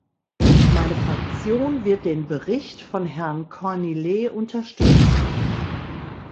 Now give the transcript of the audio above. Meine Fraktion wird den Bericht von Herrn Cornillet unterstützen.